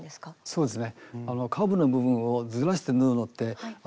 そうです。